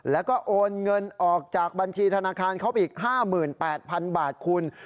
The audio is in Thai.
แล้วก็โอนเงินออกจากบัญชีธนาคารเขาอีก๕๘๐๐๐บาทคุณ